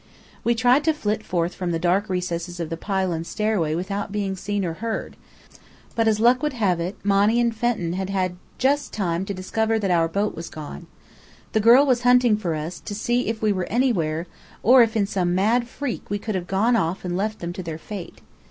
We tried to flit forth from the dark recess of the pylon stairway without being seen or heard; but as luck would have it, Monny and Fenton had had just time to discover that our boat was gone. The girl was hunting for us, to see if we were "anywhere," or if in some mad freak we could have gone off and left them to their fate.